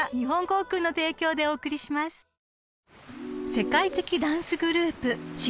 ［世界的ダンスグループｓ＊＊